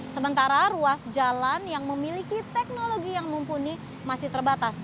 sementara ruas jalan yang memiliki teknologi yang mumpuni masih terbatas